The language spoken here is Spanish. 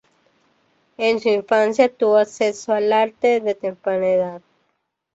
En su infancia tuvo acceso al arte desde temprana edad.